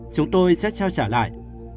chúng tôi sẽ trao trả lại